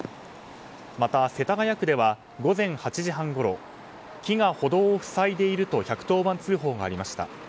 また世田谷区では午前８時半ごろ木が歩道を塞いでいると１１０番通報がありました。